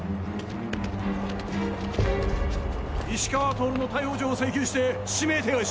石川透の逮捕状を請求して指名手配しろ。